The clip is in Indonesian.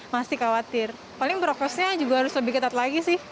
pasti khawatir paling prokesnya juga harus lebih ketat lagi sih